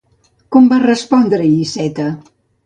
Com va respondre-hi Iceta?